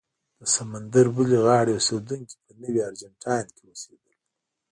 د سمندر بلې غاړې اوسېدونکي په نوي ارجنټاین کې اوسېدل.